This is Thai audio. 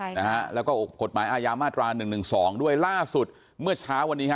ใช่นะฮะแล้วก็กฎหมายอาญามาตราหนึ่งหนึ่งสองด้วยล่าสุดเมื่อเช้าวันนี้ฮะ